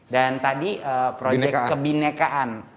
dan tadi project kebinekaan